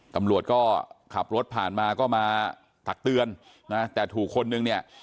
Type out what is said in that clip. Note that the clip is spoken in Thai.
ตำรวจก็ขับรถผ่านมาก็มาตักเตือนนะแต่ถูกคนนึงเนี่ย